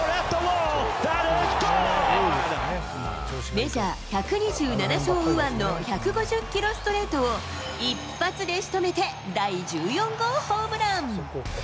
メジャー１２７勝右腕の１５０キロストレートを、一発でしとめて第１４号ホームラン。